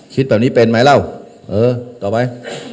คิดแบบนี้เป็นไหมแล้วเออต่อไป